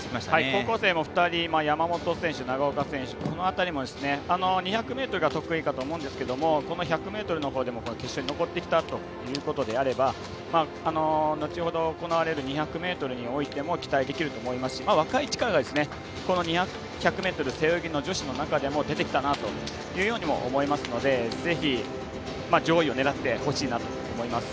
高校生も２人山本選手、長岡選手この辺りも２００ｍが得意かと思うんですけどこの１００ｍのほうでも決勝に残ってきたということであれば後ほど行われる２００ｍにおいても期待できると思いますし若い力がこの１００ｍ背泳ぎ女子の中でも出てきたなというようにも思いますのでぜひ上位を狙ってほしいなと思います。